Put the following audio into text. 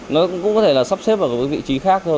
nó cũng có thể là sắp xếp vào một cái vị trí khác thôi